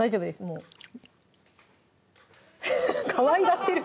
もうかわいがってる！